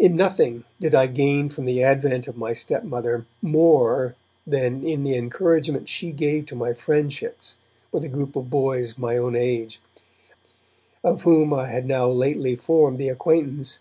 In nothing did I gain from the advent of my stepmother more than in the encouragement she gave to my friendships with a group of boys of my own age, of whom I had now lately formed the acquaintance.